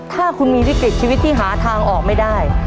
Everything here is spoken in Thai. ถ้าคุณมีวิกฤตชีวิตที่หาทางออกไม่ได้